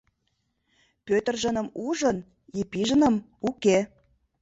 Пӧтыржыным ужын, Епижыным уке.